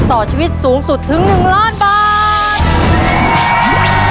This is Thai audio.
ต่อชีวิตสูงสุดถึง๑ล้านบาท